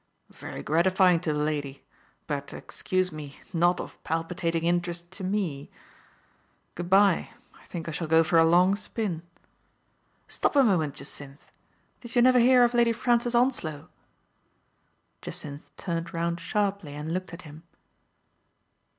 "Very gratifying to the lady; but — excuse me — not of palpitating interest to me. Good by. I think I shall go for a long spin." "Stop a moment, Jacynth! Did you never hear of Lady Francis Onslow ?" Jacynth turned round sharply and looked at him.